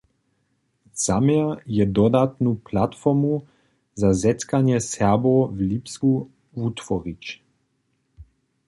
Zaměr je dodatnu platformu za zetkanja Serbow w Lipsku wutworić.